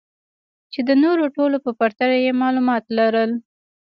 چې د نورو ټولو په پرتله يې معلومات لرل.